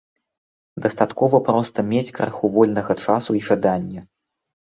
Дастаткова проста мець крыху вольнага часу і жаданне.